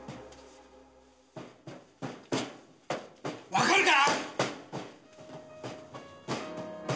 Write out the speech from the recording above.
わかるか？